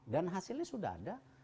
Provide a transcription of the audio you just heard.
dan hasilnya sudah ada